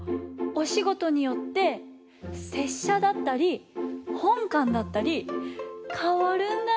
おしごとによって拙者だったり本官だったりかわるんだね。